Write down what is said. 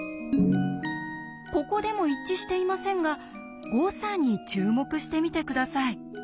ここでも一致していませんが誤差に注目してみて下さい。